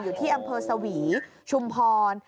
อยู่ที่อำเภอสวีชุมพร